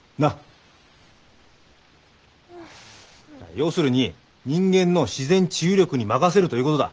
要するに人間の自然治癒力に任せるということだ。